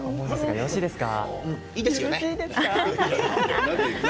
よろしいですか。